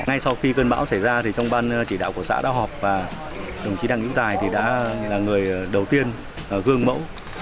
ngay sau khi cơn bão xảy ra trong ban chỉ đạo của xã đã họp đồng chí đăng hữu tài là người đầu tiên gương mẫu